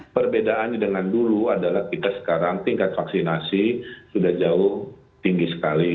perbedaannya dengan dulu adalah kita sekarang tingkat vaksinasi sudah jauh tinggi sekali